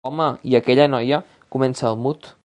Home, hi ha aquella noia —comença el Mud.